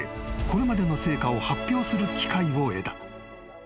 これまでの成果を発表する機会を得た］